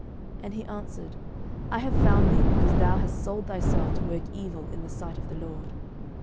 And he answered, I have found thee: because thou hast sold thyself to work evil in the sight of the LORD.